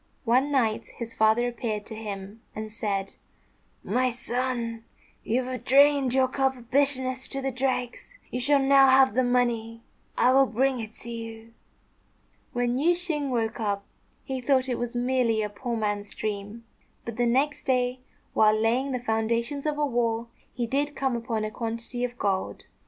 One night his father appeared to him and said, "My son, you have drained your cup of bitterness to the dregs. You shall now have the money. I will bring it to you." When Yüeh shêng woke up, he thought it was merely a poor man's dream; but the next day, while laying the foundations of a wall, he did come upon a quantity of gold.